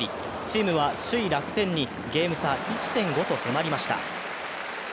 チームは首位・楽天にゲーム差１．５と迫りました。